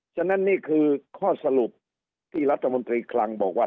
ฉะนั้นนี่คือข้อสรุปที่รัฐมนตรีคลังบอกว่า